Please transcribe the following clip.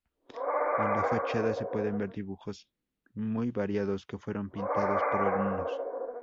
En la fachada se pueden ver dibujos muy variados que fueron pintados por alumnos.